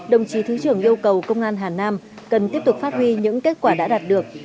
đồng chí thứ trưởng yêu cầu công an hà nam cần tiếp tục phát huy những kết quả đã đạt được